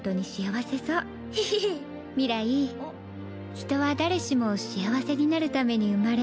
人は誰しも幸せになるために生まれ